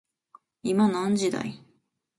今何時だい